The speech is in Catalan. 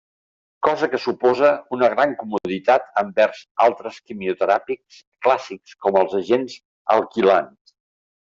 Cosa que suposa una gran comoditat envers altres quimioteràpics clàssics com els agents alquilants.